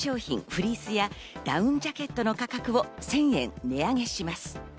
フリースや、ダウンジャケットの価格を１０００円値上げします。